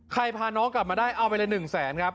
ใครพาน้องกลับมาได้เอาไปเลย๑๐๐๐๐๐ครับ